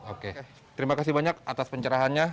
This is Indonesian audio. oke terima kasih banyak atas pencerahannya